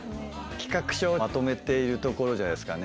企画書まとめているところじゃないですかね。